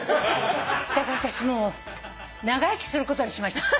だから私もう長生きすることにしました。